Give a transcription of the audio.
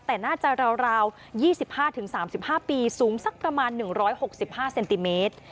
แต่น่าจะราว๒๕๓๕ปีสูงสักประมาณ๑๖๕เซนติเมตร